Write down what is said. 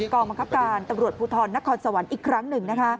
กองบังคับการตำรวจภูทรนครสวรรค์อีกครั้งหนึ่ง